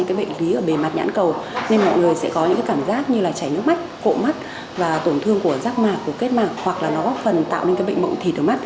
nên mọi người sẽ có những cảm giác như chảy nước mắt cộ mắt và tổn thương của rắc mạc kết mạc hoặc góp phần tạo nên bệnh bộng thịt ở mắt